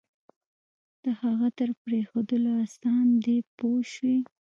د هغه تر پرېښودلو آسان دی پوه شوې!.